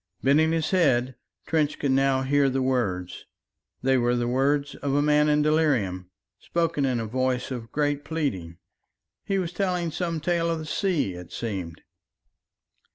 Bending his head, Trench could now hear the words. They were the words of a man in delirium, spoken in a voice of great pleading. He was telling some tale of the sea, it seemed.